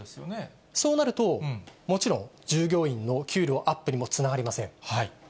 そうなると、もちろん従業員の給料アップにもつながりません。